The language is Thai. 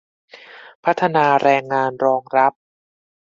พัฒนาแรงงานรองรับ